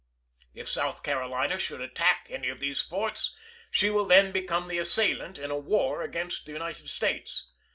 If South Carolina should attack any of these forts, she will then become the assailant in a war against the United States.